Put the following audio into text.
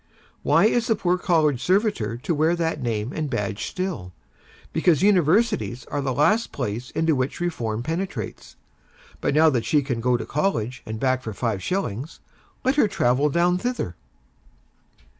Why is the poor College servitor to wear that name and that badge still? Because Universities are the last places into which Reform penetrates. But now that she can go to College and back for five shillings, let her travel down thither.